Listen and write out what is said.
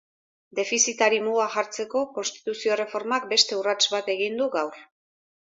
Defizitari muga jartzeko konstituzio erreformak beste urrats bat egin du gaur.